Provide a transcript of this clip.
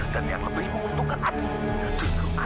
dan yang lebih memuntukkan aida